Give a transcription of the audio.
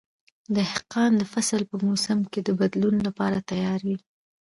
دهقان د فصل په موسم کې د بدلون لپاره تیار وي.